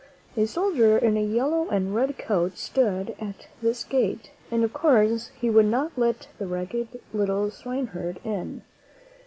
A soldier in a yellow and red coat stood at this gate, and of course he would not let the ragged little swineherd in.